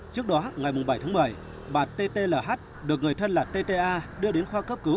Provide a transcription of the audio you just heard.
trước đó ngày bảy một mươi bà t t l h được người thân là t t a đưa đến khoa cấp cứu